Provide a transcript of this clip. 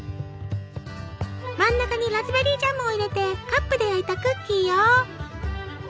真ん中にラズベリージャムを入れてカップで焼いたクッキーよ。